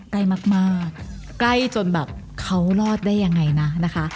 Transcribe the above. ใกล้มากใกล้จนแบบเขารอดได้ยังไงนะนะคะ